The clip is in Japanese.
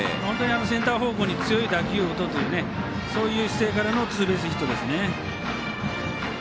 センター方向に強い当たりを打とうとそういう姿勢からのツーベースヒットですね。